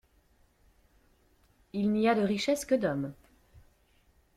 Il n'y a de richesses que d'hommes